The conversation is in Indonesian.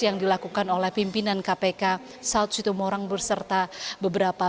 yang dilakukan oleh pimpinan kpk south sitomorang berserta beberapa